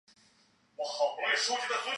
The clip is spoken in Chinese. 姜市最为人熟悉的景点是圣陵。